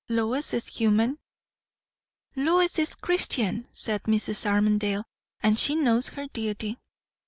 Lois is human." "Lois is Christian," said Mrs. Armadale; "and she knows her duty."